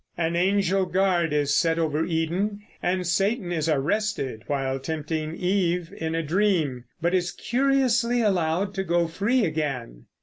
An angel guard is set over Eden, and Satan is arrested while tempting Eve in a dream, but is curiously allowed to go free again.